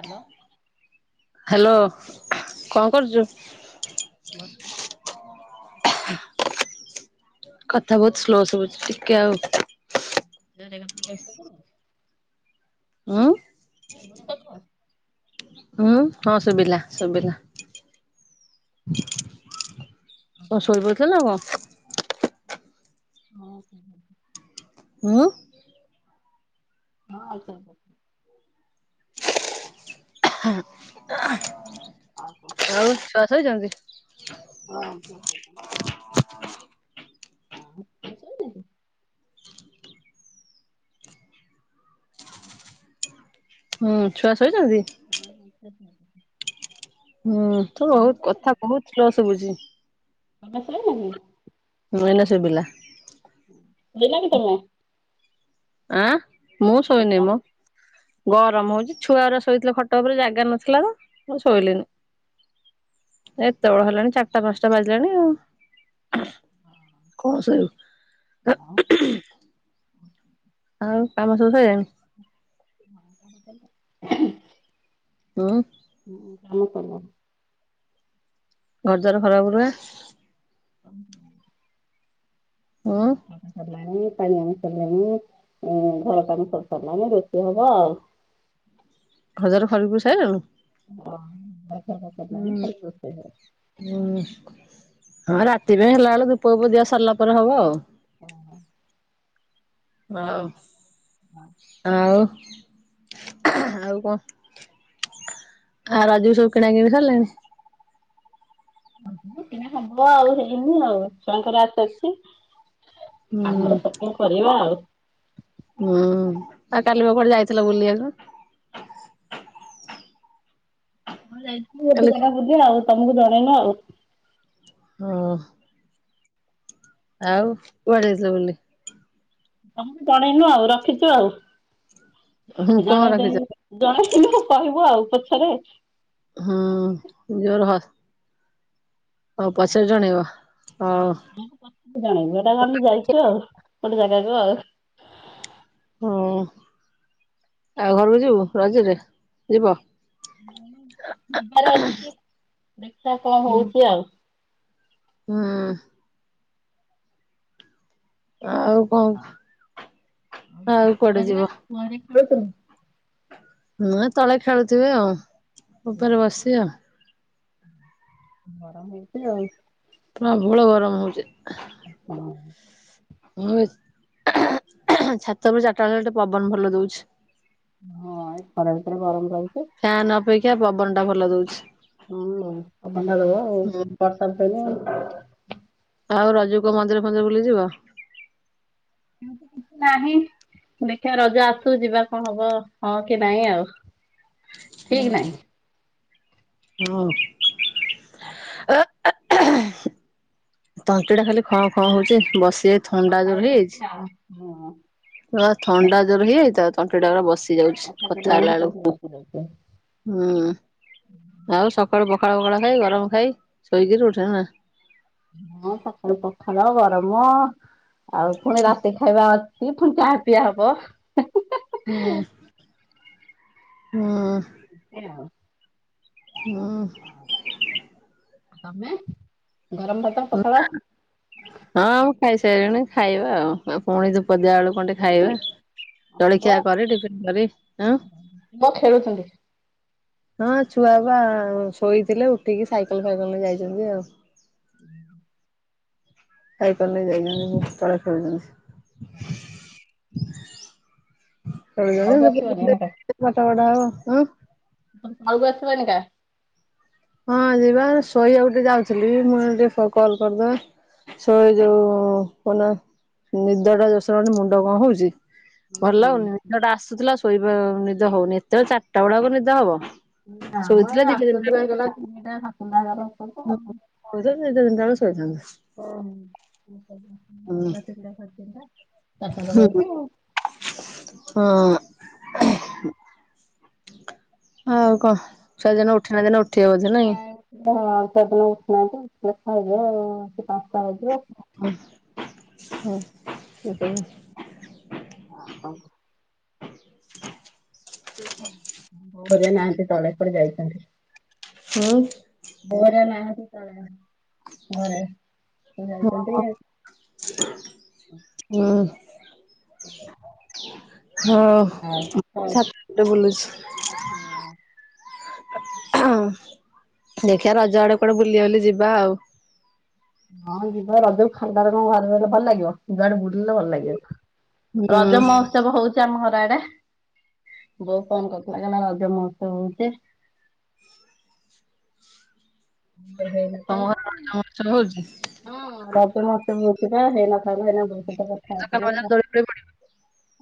Hello. Hello କଁ କରୁଚୁ? ବସତି କଥା ବୋହୁତ ସ୍ଲୋ ଶଭୁଛି ଟିକେ ଆଉ କାର୍ଯ୍ୟରେ କଣ ବ୍ୟସ୍ତ ଥିଲେ। ଉଁ। ଶୁଭୁନି ତମ୍ ହୁଁ ହଁ ଶୁବିଲା ଶୁବିଲା। ତମେ ଶୋଇ ପଡିଥିଲ ନା କଁ? ହଁ [inaudible] ହୁଁ। ହଁ ଆଉ ଥରେ ପକା। ହୁଁ ଆଉ ଆଉ କଁ କୁଅ। ଆଉ ଛୁଆ ଶୋଇଛନ୍ତି। ହଁ ଛୁଆ ଶୋଇଛନ୍ତି। ଆଉ କାମ ସଇଲାଣି। ହୁଁ ଛୁଆ ଶୋଇଚନ୍ତି। ହଁ ଛୁଆ ଶୋଇଚନ୍ତି। ହୁଁ ତୋ ବୋହୁତ କଥା ବୋହୁତ ସ୍ଲୋ ଶୁଭୁଚି। କାମ ସଇଲାନି। ହୁଁ ଏଇନେ ଶୁବିଲା। ହେଇନା କି ତମେ। ଆଁ ମୁଁ ଶୋଇନି ଦଶଟା ମ। ବେଳେ। ଗରମ ହଉଚି ଛୁଆଗୁରା ଶୋଇଥିଲେ ଖଟ ଉପରେ ଜାଗା ନଥିଲା ତ ମୁଁ ଶୋଇଲିନି। ଏତଅଳ ହେଲାଣି ଚାରିଟା ପାଂଶଟା ବାଜିଲାଣି ଆଉ। କଣ ଶୋଇବୁ। ହଁ ହୁଁ। ଆଉ କାମ ସବୁ ସଇଲାଣି। ହଁ କାମ ସଇଲା। ହୁଁ। ହୁଁ କାମ ସରଲାଣି। ଘର ଦ୍ୱାର ଖରକା ପୁରୁକା କାମ ହୁଁ [inaudible] କାମ ସରିଲାଣି ପାଣି ଆଣି ସାରିଲାଣି ଉଁ ଘର କାମ ସବୁ ସରିଲାଣି ରୋଷେଇ ହବ ଆଉ। ଘ ଦୁଆର ଖରିକି ପୁରି ସାଇଲୁଣୁ। ହଁ ଘର କାମ ସରିଲାଣି ହୁଁ ଖାଲି ରୋଷେଇ ହବ। ହୁଁ ହଁ ରାତି ପାଇଁ ହେଲାଳୁ ଧୂପ ପୁପ ଦିଆସରିଲା ପରେ ହବ ଆଉ। [inaudible] ଆଉ। ହଁ। ଆଉ ଆଉ କଣ? ଆଉ ରଜକୁ ସବୁ କିଣାକିିଣି ସରିଲାଣି। [inaudible] କିଣା ହବ ଆଉ ହେଇନି ଆଉ ଛୁଆଙ୍କର ଆସି ଅଛି। ହୁଁ ଆମର ସପ କରିବା ଆଉ। ହୁଁ, ଆଉ କାଲି ପା କୁଆଡେ ଯାଇଥିଲ ବୁଲିଆକୁ। ହଁ ଯାଇଥିଲି କାଲି ଗୋଟେ ଜାଗା ବୁଲି ଆଉ, ତମକୁ ଜଣେଇନୁ ଆଉ। ଓ। ଆଉ କୁଆଡେ ଯାଇଥିଲ ବୁଲି? ତମୁକୁ ଜଣେଇନୁ ଆଉ ରଖିଚୁ ଆଉ ହୁଁ କଣ ଜଣେଇ ରଖିଛ? ଦେନି ଜଣେଇନୁ କହିବୁ ଆଉ ପଛରେ। ହୁଁ ଜୋରେ ହ ହଉ ପଛେରେ ଜଣେଇବ ହଁ ହଉ। ତମକୁ ପଛରେ ଜଣେଇବୁ ଏଟା ଆମେ ଯାଇଚୁ ଆଉ ଗୋଟେ ଜାଗାକୁ ଆଉ। ହୁଁ ଆଉ ଘରକୁ ଯିବୁ ରଜରେ ଯିବ। ଯିବାର ଅଛି ଦେଖିଆ କଣ ହୁଁ ହଉଛି ଆଉ। ହୁଁ। ଆଉ କଣ, ଆଉ କୁଆଡେ ଯିବ? ପରେ କହିବୁନି। ହୁଁ ଏ ତଳେ ଖେଳୁଥିବେ ଆଉ ଉପରେ ବସି ଆଉ। ଗରମ ହଉଛି ଆଉ। ପ୍ରବଳ ଗରମ ହଉଛି। ହଁ। ହଁ ଏ ଛାତ ଉପର ଚାରଟା ବେଳେ ଗୋଟେ ପବନ ଭଲ ଦଉଛି। ହଁ ଏଇ ଖରା ଭିତରେ ଗରମ ରହିଛି। ଫ୍ୟାନ୍ ଅପେକ୍ଷା ପବନଟା ଭଲ ଦୋଉଛି। ହଁ ପବନଟା ଦବ ଆଉ, ହୁଁ ବର୍ଷା ଉଠେଇଲେ। ଆଉ ରଜୁକୁ କୋଉ ମନ୍ଦିର ଫନ୍ଦିର ବୁଲି ଯିବ? ନାହିଁ, ଦେଖିଆ ରଜ ଆସୁ ଯିବା କଣ ହବ ହଁ କି ନାଇଁ ଆଉ। ଠିକ ହୁଁ ନାହିଁ। ହଉ। ତଣ୍ଟି ଟା ଖାଲି ଖଁ ଖଁ ହଉଛି ବସି ଥଣ୍ଡା କଥା ଜୋର ହେଇ ହେଇଯାଇଛି। ହଉନି ଆଉ ଥଣ୍ଡା ଜୋର ହେଇଯାଇଛି ତ ତଣ୍ଟିଟା ପୁରା ବସିଯାଉଛି କଲା କଥା ବେଳକୁ ଦଶ ହେଲାବେଳକୁ। ହୁଁ ଆଉ ସକାଳୁ ପଖାଳ ବଖାଳ ଖାଇ ଗରମ ଖାଇ ଶୋଇକିରି ଉଠିଲଣି ନା। ହଁ ସକାଳୁ ପଖାଳ ଗରମ ଆଉ ଫୁଣି ରାତି ଖାଇବା ଅ ଛି, ଫୁଣି ଚାହା ପିଆ ହବ। ହୁଁ ହୁଁ। [unintelligible] ହୁଁ। ତମେ ଗରମ ଭାତ ପଖାଳ ହଁ ମୁଁ ଖାଇସାରିଲିଣି ଖାଇବା ଆଉ ଆଉ ପୁଣି ଧୂପଦିଆ ବେଳୁ ଖଣ୍ଡେ ଖାଇବା ପୁଅ ଜଳଖିଆ କରି ଟିଫିନ୍ କରି ଉଁ ପୁଅ ଖେଳୁଛନ୍ତି ହଁ ଛୁଆ ବା ଶୋଇଥିଲେ ଉଠିକି ସାଇକଲ୍ ଫାଇକଲ୍ ନେଇ ଯାଇଚନ୍ତି ଆଉ। ସାଇକଲ୍ ନେଇ ଯାଇଚନ୍ତି ତଳେ ଖେଳୁଚନ୍ତି। ହଁ। ଖେଳିବେ ତଳକୁ ଟିକେ ଆସିବନି ଏଇନାକେ ବୁଲିବେ ପାଠ ପଢା ହବ ଉଁ। ଘରକୁ [inaudible] ଆସିବନି କା। ହଁ ଯିବା ଶୋଇଆକୁ ଟିକେ ଯାଉଥିଲି ମୁଁ ଏବେ ଟିକେ କଲ୍ କଲ। ଶୋଇ ଯୋଉ ପୁଣି ନିଦଟା ଜୋର୍ ସକାଶେ ମୁଣ୍ଡ କଣ ହଉଚି। ଭଲ୍ ହୁଁ ଲାଗୁନି ନିଦଟା ଆସୁଥିଲା ଶୋଇବା ନିଦ ହଉନି ଏତବେଳେ ଚାର୍ ଟା ବେଳେ ଆଉ କୋଉ ନିଦ ହବ। ଶୋଇଥିଲେ ଦିଟା ତିନିଟା କିମ୍ବା ତିନିଟା ସାଢେ ତିନିଟା [inaudible] ହେଇପାରେ। ମୁଁ ସେଇ ଦିଟା ତିନିଟା ବେଳକୁ ଶୋଇଥାନ୍ତି। [unintelligible] ଚାର୍ ଟା ପାଖା ପାଖି ଆଉ। ହଁ। ଆଉ କଁ ଛୁଆ ଦିଜଣ ଉଠି ନାହାନ୍ତି ଏଇନା ଉଠିବେ ବୋଧେ ନାଇଁ? ହଁ ଆଉ ତା ପୁଅ ଉଠୁନାହାନ୍ତି ଉଠିଲେ ଖାଇବେ ଆଉ ପାଞ୍ଚ୍ ଟା ହେଇଯିବ। ହଁ ହଁ ସେ ବି ଘରେ ନାହାନ୍ତି ତଳେ କୁଆଡେ ଯାଇଚନ୍ତି। ହୁଁ। ଘରେ ନାହାଁନ୍ତି ପରା ଘରେ। ସେ ଯାଇଛନ୍ତି ହୁଁ। [unintelligible] ହଁ ଆଉ ଛାତ ଉପରେ ବୁଲୁଛି। [unintelligible] ହଁ ଦେଖିବା ରଜ ଆଡେ କୁଆଡେ ବୁଲି ବାଲି ଯିବା ଆଉ। ହଁ ଯିବା ରଜକୁ ଖାଲିଟାରେ କଣ ଘରେ ରହିଲେ ଭଲ ଲାଗିବ। ଜୁଆଡେ ବୁଲିଲେ ଭଲ ଲାଗିବ। ହୁଁ ରଜ ମ ହୋତ୍ସବ ହଉଚି ଆମ ଘରଆଡେ ବୋଉ ଫୋନ୍ କରିଥିଲା କହିଲା ରଜ ମହୋତ୍ସବ ହଉଚି। ତମ ହେଇନଥାନ୍ତା ଘରେ ରଜ ମହୋତ୍ସବ ହଉଛି? ରଜ ମହୋତ୍ସବ ହଉଚି ବା [inaudible] ହେଇନଥା ହେଇନା ବୁଝି କଥା।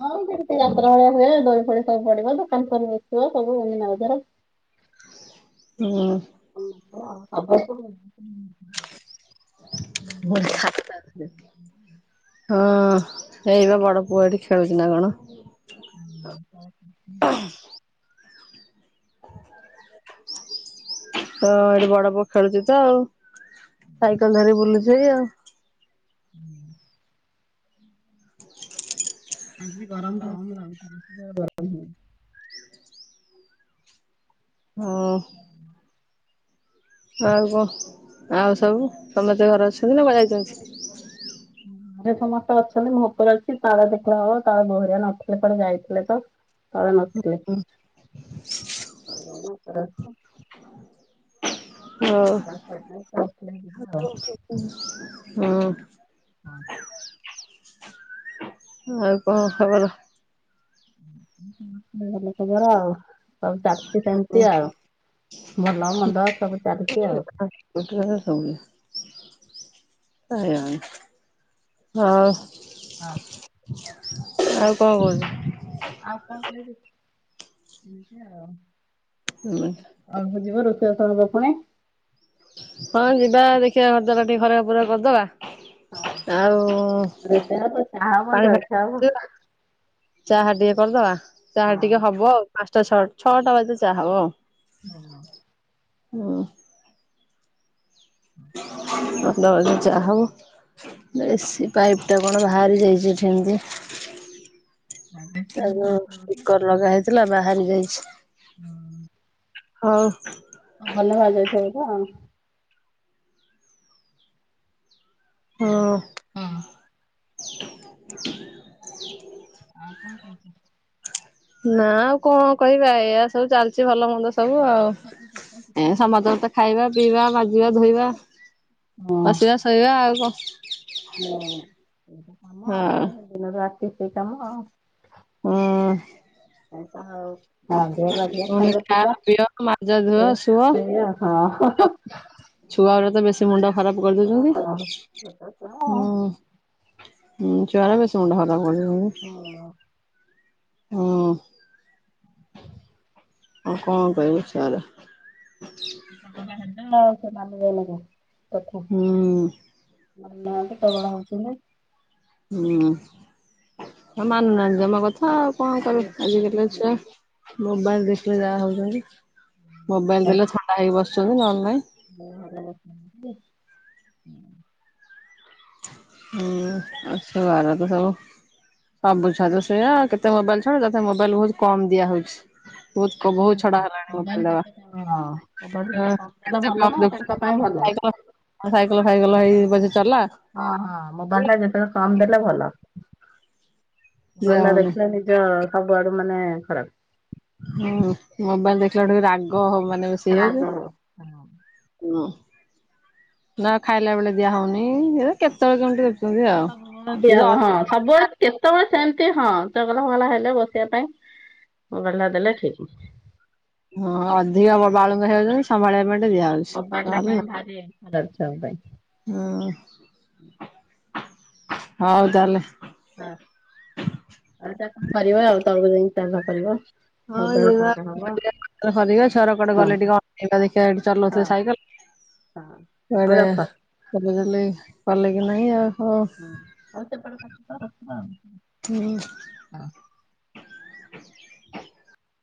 ହଁ ସେମ୍ ତି ଯାତ୍ରାଭଳିଆ ହୁଏ ଦୋଳି ଫୋଳି ସବୁ ପଡିବ ଦୋକାନ ଦୋକାନ ବସିବ ସବୁ ମିନା ବଜାର। ହୁଁ। [unintelligible] ହଁ ଏଇ ବା ବଡ ପୁଅ ଏଠି ଖେଳୁଚି ନା କଣ। ହଁ ଏଇଠି ବଡ ପୁଅ ଖେଳୁଚି ତ ଆଉ ସାଇକେଲ୍ ଧରି ବୁଲୁଚି ଆଉ। ଆଜି ଗରମ କମ୍ ଲାଗୁଚି ବେଶୀ ଗରମ ହଉନି। ହଁ। ଆଉ କଁ ଆଉ ସବୁ ସମସ୍ତେ ଘରେ ଅଛନ୍ତି ନା କୁଆଡେ ଯାଇଚନ୍ତି? ଘରେ ସମସ୍ତେ ଅଛନ୍ତି ମୁଁ ଉପରେ ଅଛି ତାଳ ପିଠା ହବ ତଳେ ବୋଉ ଘରିକା ନଥିଲେ କୁଆଡେ ଯାଇଥିଲେ ତ। ତଳେ ନ ଉଁ। [unintelligible] ହଉ। ହୁଁ [unintelligible] ଆଉ କଁ ଖବର? [unintelligible] ଭଲ ଖବର ଆଉ ହଉ [unintelligible] [unintelligible] ସେମ୍ତି ଆଉ ଭଲ ମନ୍ଦ ସବୁ ଚାଲିଚି ଆଉ। [unintelligible] ହଉ। ହଁ ଆଉ କଁ [unintelligible] ଆଉ କଁ କହିବି ଏମ୍ତି ଆଉ। ହୁଁ ବା। ଆଉ [unintelligible] ହଁ ଯିବା ଦେଖିବା ଘର ଦ୍ୱାର ଟିକେ [unintelligible] କର୍ ଦବା। ଆଉ ରୋଷେଇ ହବ ଚା ହବ ପାଣି ଜଳଖିଆ ହବ [unintelligible] ଚାହା ଟିକେ କର୍ ଦବା ଚାହା ହଁ। ଟିକେ ହବ ଆଉ [unintelligible] ଚ ସଟ୍ ଛଅଟା ବାଜି ଚା ହବ। ଅ ହଁ। ହୁଁ। [unintelligible] ଏସି ପାଇପ୍ ଟା କଣ ବାହାରି ଯାଇଚି ଏଠି [unintelligible] ଯେ। ଆଡଜଷ୍ଟମେଣ୍ଟ ତାକୁ ବାହାରିଥିବ ବୋଧେ। [unintelligible] ଲଗା ହେଇଥିଲା ବାହାରି ଯାଇଛି। ହୁଁ। ହଉ। ଅଁ ଭଲ ବାହାରି ଯାଇଥିବ ବୋଧେ ଆଉଁ? ହଁ। ଉଁ। [inaudible] ଆ ଆଉ କଣ କହୁଚ? ନା ଆଉ କଁ କହିବା ଏଇଆ ସବୁ ଚାଲିଚି ଭଲ ମନ୍ଦ ସବୁ ଆଉ। ଏ ସମସ୍ତଙ୍କ ତ ଖାଇବା ପିଇବା ମାଜିବା ଧୋଇବା ବସିବା [unintelligible] ଆଉ କଁ? ହୁଁ [unintelligible] ତ କାମ ଆଉ ଦିନରେ ରାତି ସେଇ କାମ ଆଉ। ହୁଁ। ଏଇ ତ ଆଉ ରାନ୍ଧିବା [unintelligible] ପୁଣି ଖାଇବା ଖାଅ ପିଇବା ପିଅ ମାଜ ଧୁଅ ଶୁଅ। [unintelligible] ହଁ। ଛୁଆ ଅରା ତ ବେଶୀ ମୁଣ୍ଡ ଖରାପ୍ ଆଉ କରିଦଉଚନ୍ତି ହୁଁ। ହୁଁ ଛୁଆ ଅର ବେଶୀ ମୁଣ୍ଡ [unintelligible] ଆଉ କଁ କହିବୁ [unintelligible] [unintelligible] ହୁଁ [unintelligible] ହୁଁ [unintelligible] ମାନୁ ନାହାନ୍ତି ଜମା କଥା ଆଉ। କଁ କରୁ ଆଜିକାଲି ଛୁଆ ମୋବାଇଲ୍ ଦେଖିଲେ ଯାହା ହଉଚନ୍ତି। ମୋବାଇଲ୍ ଦେଲେ [unintelligible] ହେଇକି ବସୁଛନ୍ତି ନହେଲେ ନାଇଁ। [unintelligible] ହୁଁ [unintelligible] ସବୁ। ସବୁ ଛୁଆ ତ ସେଇଆ କେତେ ମୋବାଇଲ୍ [unintelligible] ମୋବାଇଲ୍ ବହୁତ୍ କମ୍ ଦିଆ ହଉଛି। ବହୁତ [unintelligible] ବହୁତ ଛଡା ହେଲାଣି ମୋବାଇଲ ଭଲ ଦବା ନା। ତ କେତେ କମ ପାଇଁ ଦେଖୁଛନ୍ତି ସାଇକେଲ ଭଲ। ସାଇକେଲ ଫାଇକେଲ ହେଇ ପଛେ ଚାଲା। ହଁ ହଁ ମୋବାଇଲ ଟା ଯେତେବେଳେ କମ ଦେଲେ ଭଲ। ଦିଆ ମୋବଇଲ ହଉନି ଦେଖିଲେ ନିଜ ସବୁଆଡୁ ମାନେ ଖରାପ୍। ହୁଁ ମୋବାଇଲ ଦେଖିଲା ବେଳେ ରାଗ ମାନେ ବେଶି ହେଇଯାଉଛି। [unintelligible] ନା ଖାଇଲା ବେଳେ ଦିଆ ହଉନି। ଇଏ କେତେବେଳେ କେମିତି ଟିକିଏ ହ ହ ଦିଆ ହବ ହଁ ସବୁବେଳେ କେତେବେଳେ ସେମିତି ହଁ ଚଗଲା ଫଗଲା ହେଲେ ବସିବା ପାଇଁ ମୋବାଇଲଟା ଦେଲେ ଠିକ୍। ହଁ ଅଧିକା [unintelligible] ବାଳୁଙ୍ଗା ହେଉଯାଉଛନ୍ତି। କବାଟ ଟା ପାଇଁ ଭାରି [unintelligible] ପାଇଁ। ହୁଁ [inaudible] ହଉ ତାହେଲେ। ହଁ। ଆରେ ତାକୁ କଣ କରିବା ଆଉ ତଳକୁ ଯାଇକି ଚା ଫା କରିବ। ଆଉ ଦେହ ଖରାପ ହଁ ହବ [unintelligible] ହଁ [inaudible] ଚଲଉଥିଲେ ହଁ ସାଇକେଲ। ହଁ ହଉ ରଖ। ଚାଲି ଚାଲି ପଲେ କି ନହିଁ ଆଉ! ହଉ ହଁ ଆଉ ସେପଟେ [unintelligible] ହୁଁ। ହଁ।